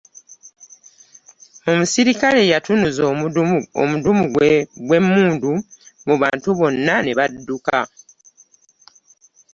Omuserikale yatunuuza omudumu gwe mmundu mu bantu bonna ne badduka.